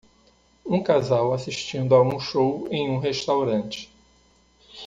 Um casal assistindo a um show em um restaurante.